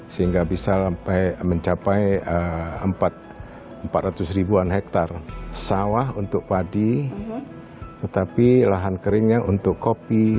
sehingga bisa sampai mencapai empat ratus ribuan hektare sawah untuk padi tetapi lahan keringnya untuk kopi